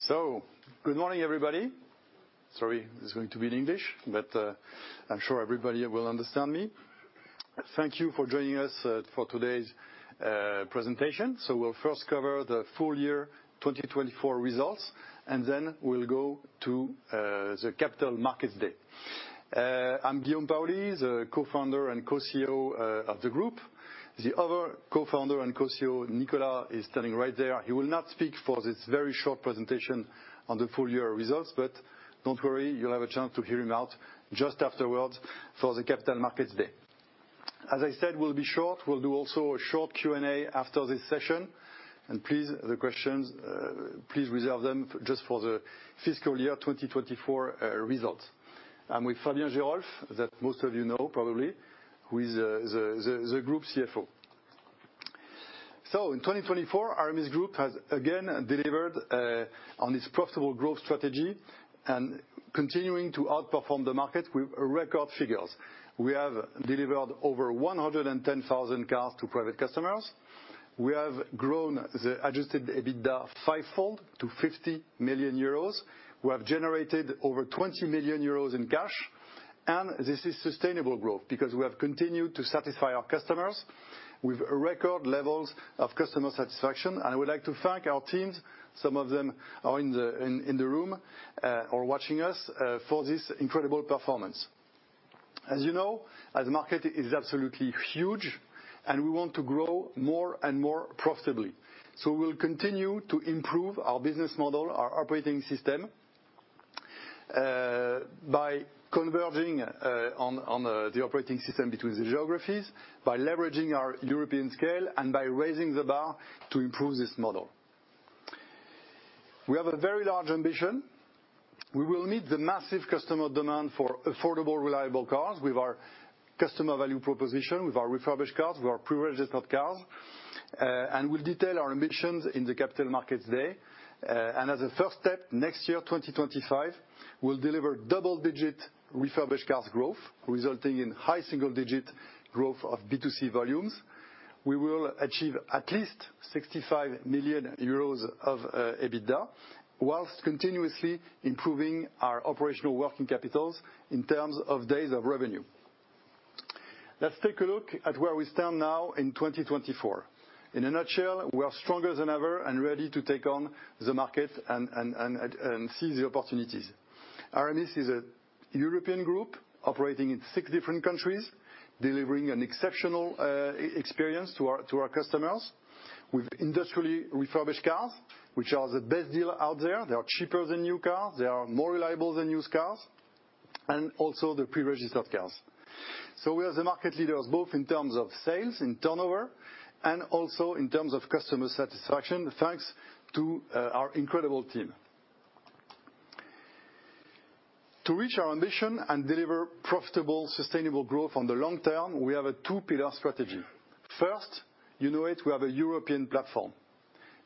So, good morning, everybody. Sorry, this is going to be in English, but I'm sure everybody will understand me. Thank you for joining us for today's presentation. So, we'll first cover the full year 2024 results, and then we'll go to the Capital Markets Day. I'm Guillaume Paoli, the Co-founder and Co-CEO of the group. The other Co-founder and Co-CEO, Nicolas, is standing right there. He will not speak for this very short presentation on the full year results, but don't worry, you'll have a chance to hear him out just afterwards for the Capital Markets Day. As I said, we'll be short. We'll do also a short Q&A after this session. And please, the questions, please reserve them just for the fiscal year 2024 results. I'm with Fabien Geerolf, that most of you know probably, who is the group CFO. So, in 2024, Aramis Group has again delivered on its profitable growth strategy and continuing to outperform the market with record figures. We have delivered over 110,000 cars to private customers. We have grown the Adjusted EBITDA fivefold to 50 million euros. We have generated over 20 million euros in cash. And this is sustainable growth because we have continued to satisfy our customers with record levels of customer satisfaction. And I would like to thank our teams. Some of them are in the room or watching us for this incredible performance. As you know, the market is absolutely huge, and we want to grow more and more profitably. So, we will continue to improve our business model, our operating system, by converging on the operating system between the geographies, by leveraging our European scale, and by raising the bar to improve this model. We have a very large ambition. We will meet the massive customer demand for affordable, reliable cars with our customer value proposition, with our refurbished cars, with our pre-registered cars, and we'll detail our ambitions in the Capital Markets Day, and as a first step, next year, 2025, we'll deliver double-digit refurbished cars growth, resulting in high single-digit growth of B2C volumes. We will achieve at least 65 million euros of EBITDA, while continuously improving our operational working capitals in terms of days of revenue. Let's take a look at where we stand now in 2024. In a nutshell, we are stronger than ever and ready to take on the market and seize the opportunities. Aramis is a European group operating in six different countries, delivering an exceptional experience to our customers with industrially refurbished cars, which are the best deal out there. They are cheaper than new cars. They are more reliable than used cars, and also the pre-registered cars. So, we are the market leaders, both in terms of sales, in turnover, and also in terms of customer satisfaction, thanks to our incredible team. To reach our ambition and deliver profitable, sustainable growth on the long term, we have a two-pillar strategy. First, you know it, we have a European platform.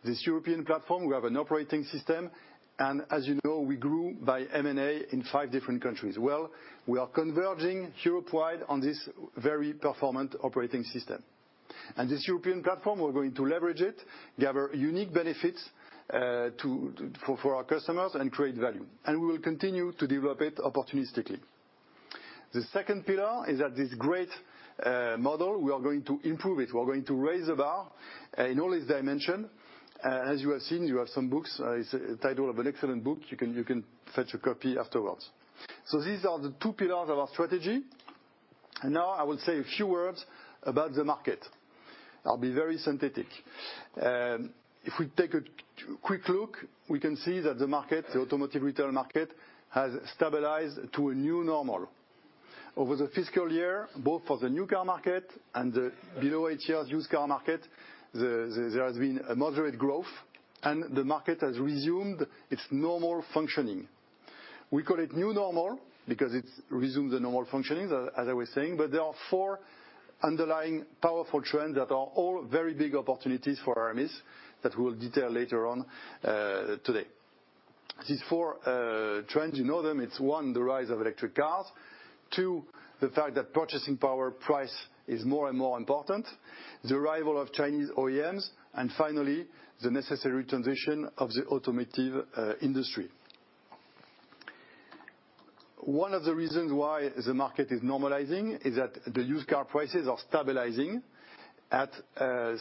This European platform, we have an operating system. And as you know, we grew by M&A in five different countries. Well, we are converging Europe-wide on this very performant operating system. And this European platform, we're going to leverage it, gather unique benefits for our customers, and create value. And we will continue to develop it opportunistically. The second pillar is that this great model, we are going to improve it. We're going to raise the bar in all its dimensions. As you have seen, you have some books. It's the title of an excellent book. You can fetch a copy afterwards. So, these are the two pillars of our strategy. And now I will say a few words about the market. I'll be very synthetic. If we take a quick look, we can see that the market, the automotive retail market, has stabilized to a new normal. Over the fiscal year, both for the new car market and the below-eight-year used car market, there has been a moderate growth, and the market has resumed its normal functioning. We call it new normal because it resumes the normal functioning, as I was saying. But there are four underlying powerful trends that are all very big opportunities for Aramis that we will detail later on today. These four trends, you know them. It's one, the rise of electric cars, two, the fact that purchasing power. Price is more and more important, the arrival of Chinese OEMs, and finally, the necessary transition of the automotive industry. One of the reasons why the market is normalizing is that the used car prices are stabilizing at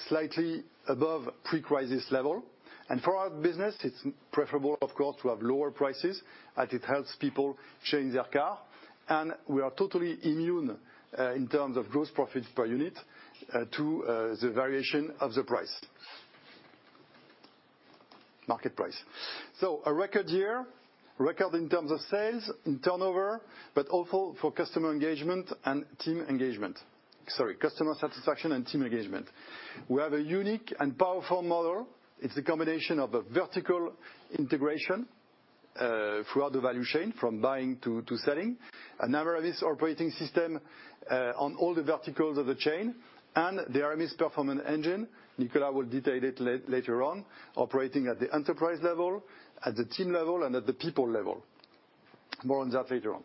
slightly above pre-crisis level. And for our business, it's preferable, of course, to have lower prices as it helps people change their car. And we are totally immune in terms of gross profit per unit to the variation of the price, market price. So, a record year, record in terms of sales, in turnover, but also for customer engagement and team engagement, sorry, customer satisfaction and team engagement. We have a unique and powerful model. It's a combination of a vertical integration throughout the value chain, from buying to selling, an Aramis Operating System on all the verticals of the chain, and the Aramis Performance Engine. Nicolas will detail it later on, operating at the enterprise level, at the team level, and at the people level. More on that later on.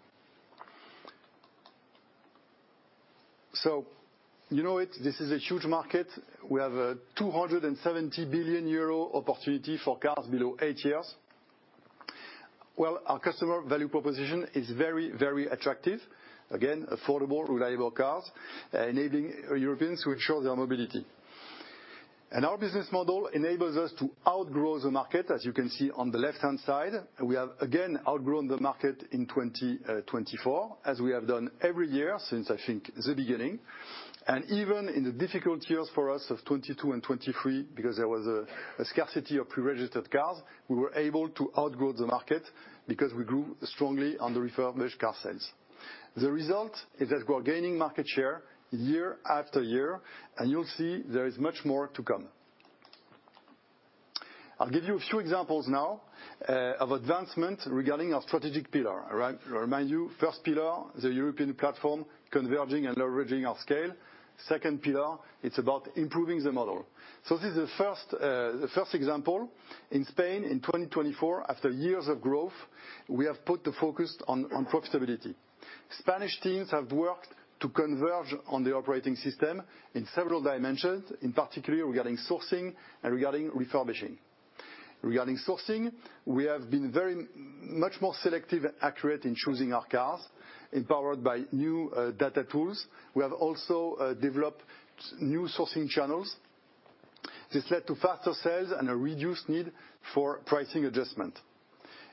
You know it, this is a huge market. We have a 270 billion euro opportunity for cars below eight years. Our customer value proposition is very, very attractive. Again, affordable, reliable cars enabling Europeans to ensure their mobility. Our business model enables us to outgrow the market, as you can see on the left-hand side. We have, again, outgrown the market in 2024, as we have done every year since, I think, the beginning. And even in the difficult years for us of 2022 and 2023, because there was a scarcity of pre-registered cars, we were able to outgrow the market because we grew strongly on the refurbished car sales. The result is that we're gaining market share year after year, and you'll see there is much more to come. I'll give you a few examples now of advancements regarding our strategic pillar. I remind you, first pillar, the European platform, converging and leveraging our scale. Second pillar, it's about improving the model. So, this is the first example. In Spain, in 2024, after years of growth, we have put the focus on profitability. Spanish teams have worked to converge on the operating system in several dimensions, in particular regarding sourcing and regarding refurbishing. Regarding sourcing, we have been very much more selective and accurate in choosing our cars, empowered by new data tools. We have also developed new sourcing channels. This led to faster sales and a reduced need for pricing adjustment.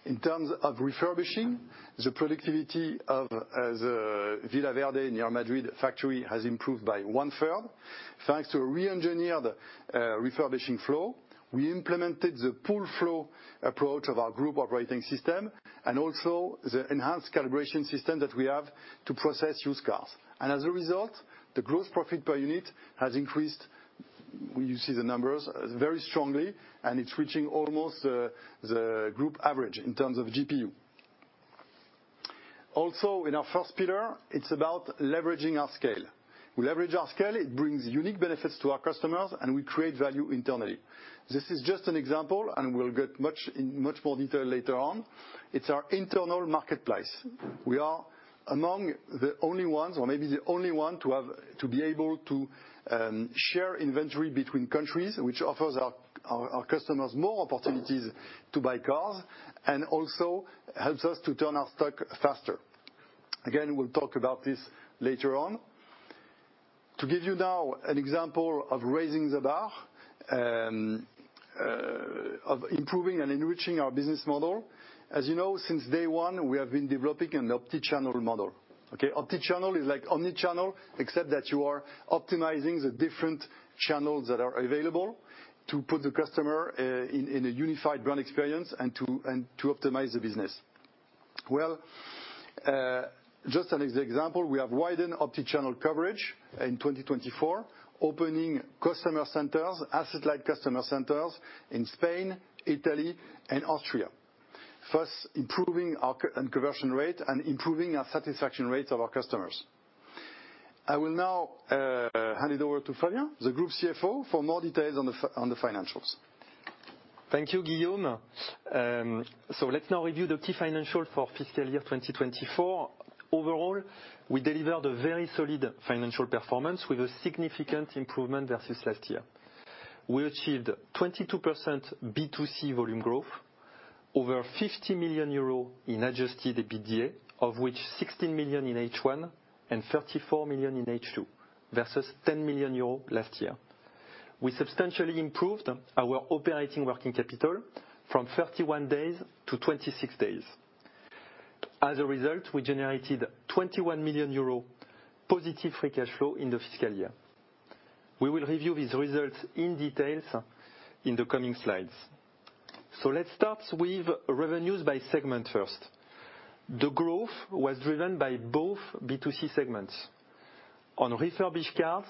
In terms of refurbishing, the productivity of the Villaverde, near Madrid, factory has improved by one-third thanks to a re-engineered refurbishing flow. We implemented the pull flow approach of our group operating system and also the enhanced calibration system that we have to process used cars, and as a result, the gross profit per unit has increased. You see the numbers very strongly, and it's reaching almost the group average in terms of GPU. Also, in our first pillar, it's about leveraging our scale. We leverage our scale. It brings unique benefits to our customers, and we create value internally. This is just an example, and we'll get much more detail later on. It's our internal marketplace. We are among the only ones, or maybe the only one, to be able to share inventory between countries, which offers our customers more opportunities to buy cars and also helps us to turn our stock faster. Again, we'll talk about this later on. To give you now an example of raising the bar, of improving and enriching our business model, as you know, since day one, we have been developing an optichannel model. Okay? Optichannel is like omnichannel, except that you are optimizing the different channels that are available to put the customer in a unified brand experience and to optimize the business. Well, just an example, we have widened optichannel coverage in 2024, opening customer centers, asset-light customer centers in Spain, Italy, and Austria, thus improving our conversion rate and improving our satisfaction rates of our customers. I will now hand it over to Fabien, the Group CFO, for more details on the financials. Thank you, Guillaume. So, let's now review the key financials for fiscal year 2024. Overall, we delivered a very solid financial performance with a significant improvement versus last year. We achieved 22% B2C volume growth, over 50 million euros in Adjusted EBITDA, of which 16 million in H1 and 34 million in H2, versus 10 million euros last year. We substantially improved our operating working capital from 31 days to 26 days. As a result, we generated 21 million euro positive free cash flow in the fiscal year. We will review these results in detail in the coming slides. So, let's start with revenues by segment first. The growth was driven by both B2C segments. On refurbished cars,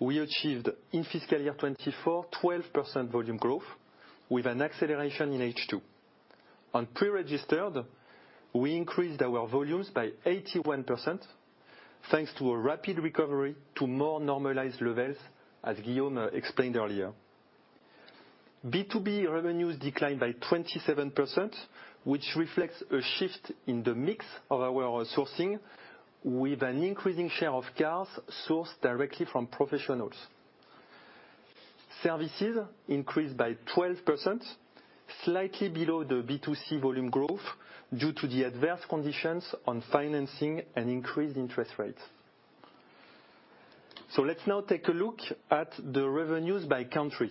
we achieved in fiscal year 2024, 12% volume growth with an acceleration in H2. On pre-registered, we increased our volumes by 81% thanks to a rapid recovery to more normalized levels, as Guillaume explained earlier. B2B revenues declined by 27%, which reflects a shift in the mix of our sourcing with an increasing share of cars sourced directly from professionals. Services increased by 12%, slightly below the B2C volume growth due to the adverse conditions on financing and increased interest rates. So, let's now take a look at the revenues by country.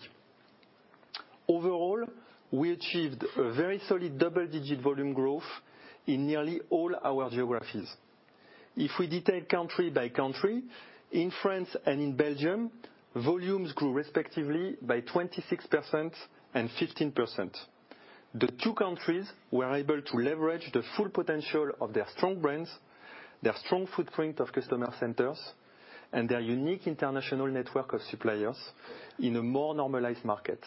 Overall, we achieved a very solid double-digit volume growth in nearly all our geographies. If we detail country by country, in France and in Belgium, volumes grew respectively by 26% and 15%. The two countries were able to leverage the full potential of their strong brands, their strong footprint of customer centers, and their unique international network of suppliers in a more normalized market.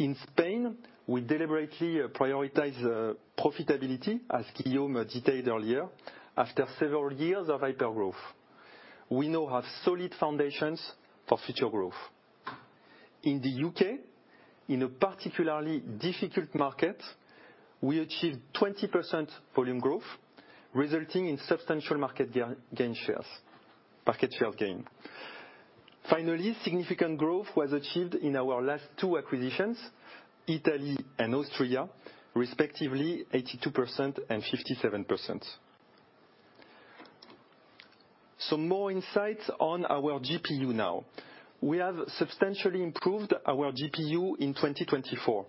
In Spain, we deliberately prioritized profitability, as Guillaume detailed earlier, after several years of hypergrowth. We now have solid foundations for future growth. In the U.K., in a particularly difficult market, we achieved 20% volume growth, resulting in substantial market share gain. Finally, significant growth was achieved in our last two acquisitions, Italy and Austria, respectively 82% and 57%. Some more insights on our GPU now. We have substantially improved our GPU in 2024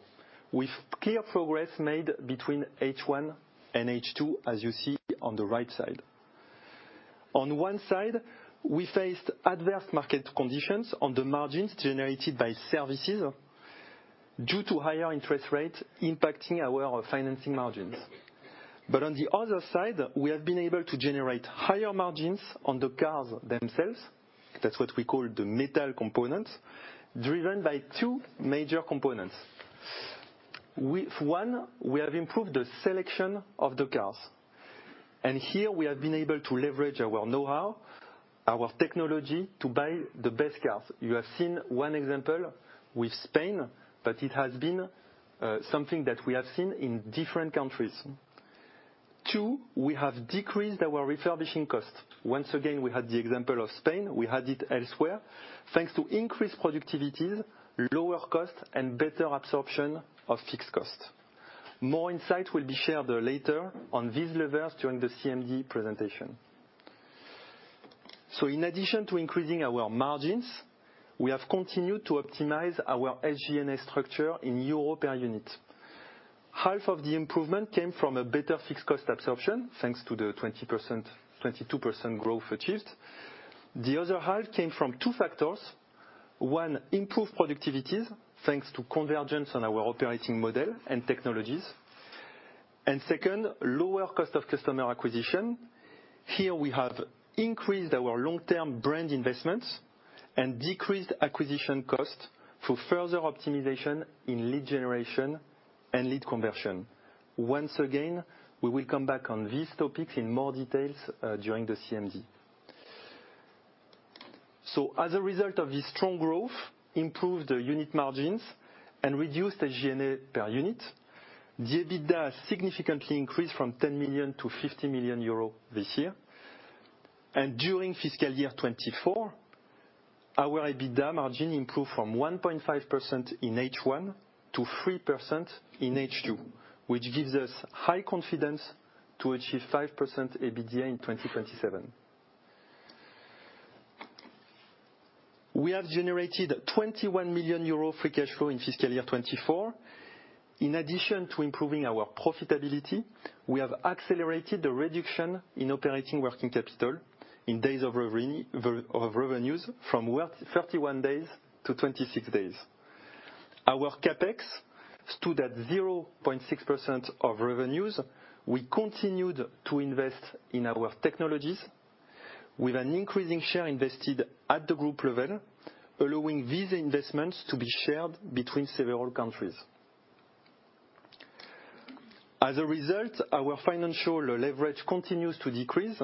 with clear progress made between H1 and H2, as you see on the right side. On one side, we faced adverse market conditions on the margins generated by services due to higher interest rates impacting our financing margins. But on the other side, we have been able to generate higher margins on the cars themselves. That's what we call the metal components, driven by two major components. With one, we have improved the selection of the cars, and here, we have been able to leverage our know-how, our technology to buy the best cars. You have seen one example with Spain, but it has been something that we have seen in different countries. Two, we have decreased our refurbishing cost. Once again, we had the example of Spain. We had it elsewhere, thanks to increased productivities, lower costs, and better absorption of fixed costs. More insights will be shared later on these levers during the CMD presentation. So, in addition to increasing our margins, we have continued to optimize our SG&A structure in euro per unit. Half of the improvement came from a better fixed cost absorption, thanks to the 22% growth achieved. The other half came from two factors. One, improved productivities, thanks to convergence on our operating model and technologies. And second, lower cost of customer acquisition. Here, we have increased our long-term brand investments and decreased acquisition costs for further optimization in lead generation and lead conversion. Once again, we will come back on these topics in more details during the CMD. So, as a result of this strong growth, improved unit margins, and reduced SG&A per unit, the EBITDA significantly increased from 10 million to 50 million euro this year. And during fiscal year 2024, our EBITDA margin improved from 1.5% in H1 to 3% in H2, which gives us high confidence to achieve 5% EBITDA in 2027. We have generated 21 million euro free cash flow in fiscal year 2024. In addition to improving our profitability, we have accelerated the reduction in operating working capital in days of revenues from 31 days to 26 days. Our CapEx stood at 0.6% of revenues. We continued to invest in our technologies with an increasing share invested at the group level, allowing these investments to be shared between several countries. As a result, our financial leverage continues to decrease,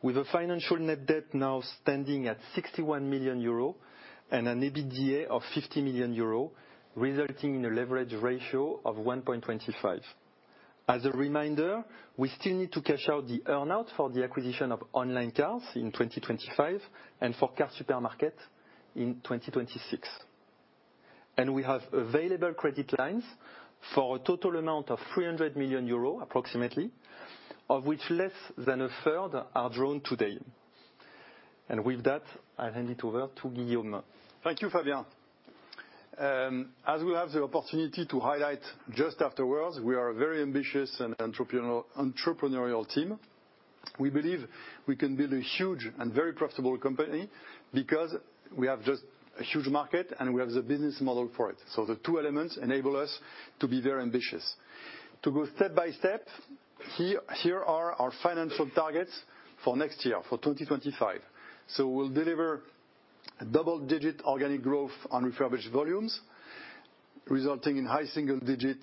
with a financial net debt now standing at 61 million euro and an EBITDA of 50 million euro, resulting in a leverage ratio of 1.25. As a reminder, we still need to cash out the earnout for the acquisition of Onlinecars in 2025 and for CarSupermarket in 2026. And we have available credit lines for a total amount of 300 million euros approximately, of which less than a third are drawn today. And with that, I'll hand it over to Guillaume. Thank you, Fabien. As we'll have the opportunity to highlight just afterwards, we are a very ambitious and entrepreneurial team. We believe we can build a huge and very profitable company because we have just a huge market and we have the business model for it. So, the two elements enable us to be very ambitious. To go step by step, here are our financial targets for next year, for 2025. So, we'll deliver double-digit organic growth on refurbished volumes, resulting in high single-digit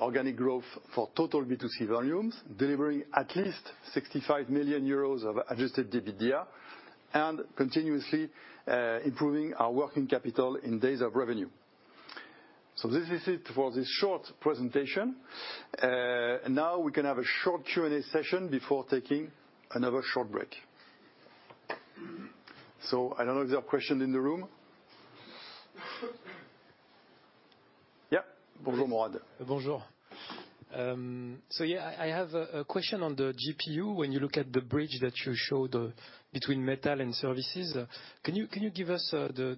organic growth for total B2C volumes, delivering at least 65 million euros of adjusted EBITDA, and continuously improving our working capital in days of revenue. So, this is it for this short presentation. And now we can have a short Q&A session before taking another short break. So, I don't know if there are questions in the room. Yeah? Bonjour, Mourad. Bonjour. So, yeah, I have a question on the GPU. When you look at the bridge that you showed between metal and services, can you give us the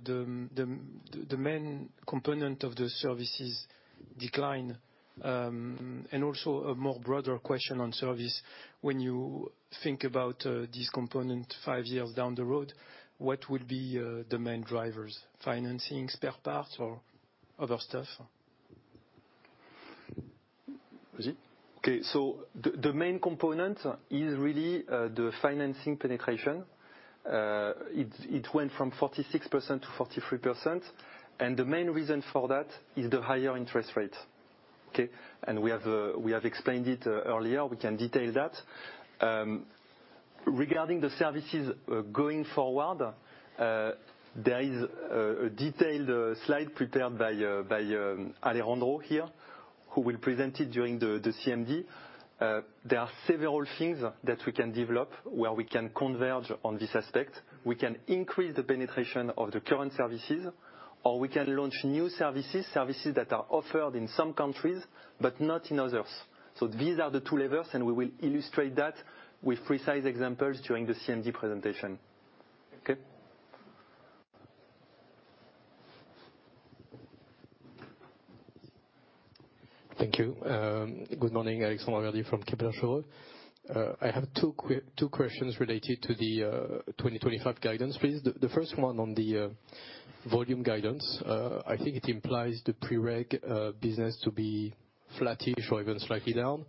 main component of the services decline? And also, a more broader question on service. When you think about this component five years down the road, what will be the main drivers? Financing, spare parts, or other stuff? Okay. So, the main component is really the financing penetration. It went from 46% to 43%. And the main reason for that is the higher interest rate. Okay? And we have explained it earlier. We can detail that. Regarding the services going forward, there is a detailed slide prepared by Alejandro here, who will present it during the CMD. There are several things that we can develop where we can converge on this aspect. We can increase the penetration of the current services, or we can launch new services, services that are offered in some countries but not in others. So, these are the two levers, and we will illustrate that with precise examples during the CMD presentation. Okay? Thank you. Good morning, Alexandre Raverdy from Kepler Cheuvreux. I have two questions related to the 2025 guidance, please. The first one on the volume guidance. I think it implies the pre-reg business to be flattish or even slightly down.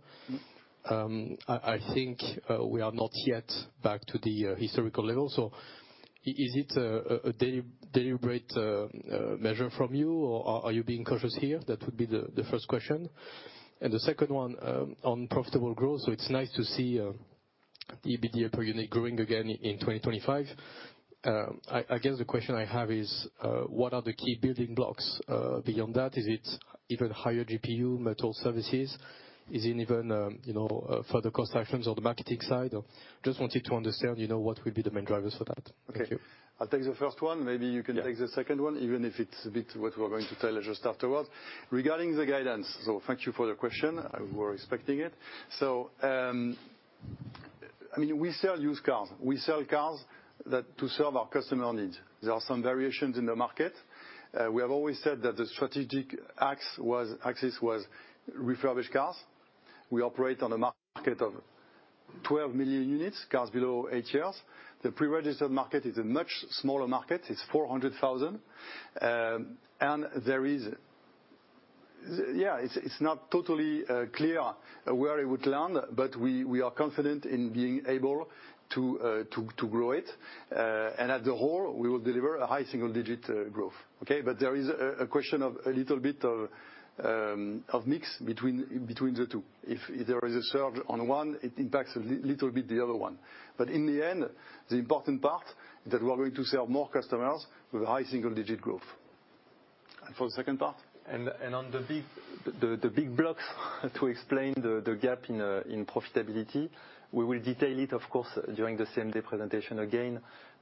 I think we are not yet back to the historical level. So, is it a deliberate measure from you, or are you being cautious here? That would be the first question, and the second one on profitable growth. So, it's nice to see the EBITDA per unit growing again in 2025. I guess the question I have is, what are the key building blocks beyond that? Is it even higher GPU, metal services? Is it even further cost actions on the marketing side? Just wanted to understand what will be the main drivers for that. Thank you. I'll take the first one. Maybe you can take the second one, even if it's a bit what we're going to tell just afterwards. Regarding the guidance, so thank you for the question. We were expecting it. So, I mean, we sell used cars. We sell cars to serve our customer needs. There are some variations in the market. We have always said that the strategic axis was refurbished cars. We operate on a market of 12 million units, cars below eight years. The pre-registered market is a much smaller market. It's 400,000. And there is, yeah, it's not totally clear where it would land, but we are confident in being able to grow it. And as a whole, we will deliver a high single-digit growth. Okay? But there is a question of a little bit of mix between the two. If there is a surge on one, it impacts a little bit the other one. But in the end, the important part is that we're going to serve more customers with a high single-digit growth. And for the second part? And on the big blocks to explain the gap in profitability, we will detail it, of course, during the CMD presentation again.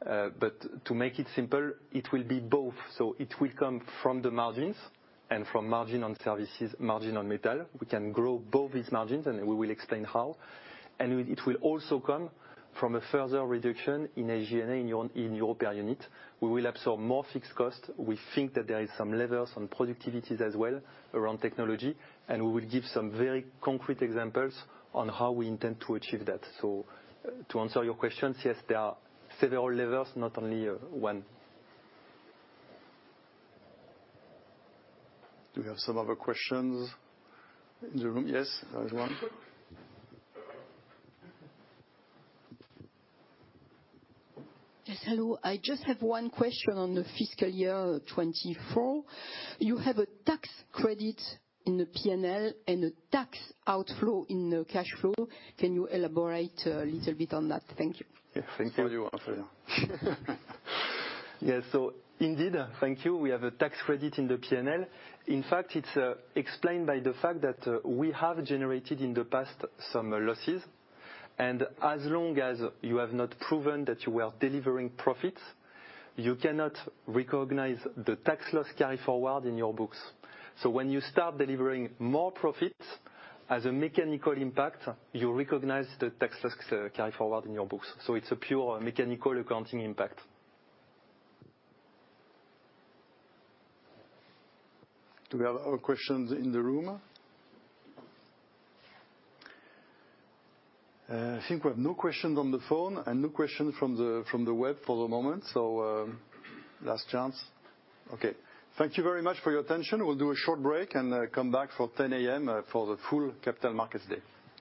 But to make it simple, it will be both. So, it will come from the margins and from margin on services, margin on metal. We can grow both these margins, and we will explain how. And it will also come from a further reduction in SG&A in euro per unit. We will absorb more fixed costs. We think that there are some levers on productivities as well around technology. And we will give some very concrete examples on how we intend to achieve that. So, to answer your questions, yes, there are several levers, not only one. Do we have some other questions in the room? Yes, there is one. Yes, hello. I just have one question on the fiscal year 2024. You have a tax credit in the P&L and a tax outflow in the cash flow. Can you elaborate a little bit on that? Thank you. Yeah, thank you. Yeah, so indeed, thank you. We have a tax credit in the P&L. In fact, it's explained by the fact that we have generated in the past some losses. And as long as you have not proven that you were delivering profits, you cannot recognize the tax loss carryforward in your books. So, when you start delivering more profits as a mechanical impact, you recognize the tax loss carryforward in your books. So, it's a pure mechanical accounting impact. Do we have other questions in the room? I think we have no questions on the phone and no questions from the web for the moment. So, last chance. Okay. Thank you very much for your attention. We'll do a short break and come back for 10:00 A.M. for the full Capital Markets Day.